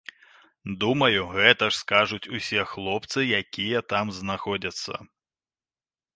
Думаю, гэта ж скажуць усе хлопцы, якія там знаходзяцца.